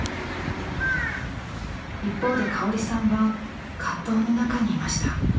一方で香織さんは葛藤の中にいました。